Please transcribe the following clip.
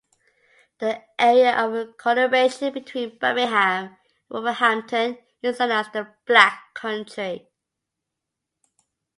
The area of conurbation between Birmingham and Wolverhampton is known as the Black Country.